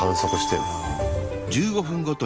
１５分ごと？